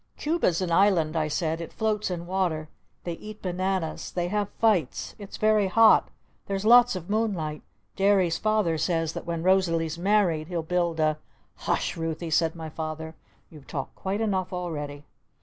"Cuba's an island!" I said. "It floats in water! They eat bananas! They have fights! It's very hot! There's lots of moonlight! Derry's father says that when Rosalee's married he'll build a ." "Hush, Ruthy!" said my Father. "You've talked quite enough already!"